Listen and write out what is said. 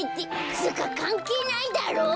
つうかかんけいないだろう。